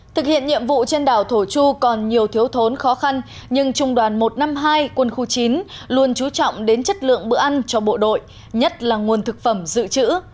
thực hiện nhiệm vụ trên đảo thổ chu còn nhiều thiếu thốn khó khăn nhưng trung đoàn một trăm năm mươi hai quân khu chín luôn trú trọng đến chất lượng bữa ăn cho bộ đội nhất là nguồn thực phẩm dự trữ